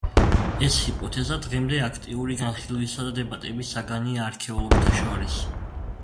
ეს ჰიპოთეზა დღემდე აქტიური განხილვისა და დებატების საგანია არქეოლოგთა შორის.